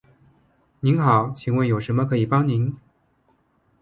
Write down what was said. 您好，请问有什么可以帮您？